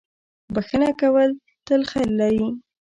• بښنه کول تل خیر لري.